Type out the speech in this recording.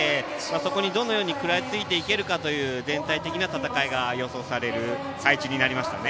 そこにどのように食らいついていけるかという全体的な戦いが予想される配置になりましたね。